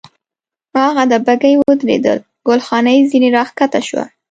هاغه ده، بګۍ ودرېدل، ګل جانې ځنې را کښته شوه.